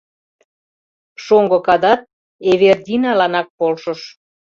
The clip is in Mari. Шоҥго Кадат Эвердиналанак полшыш.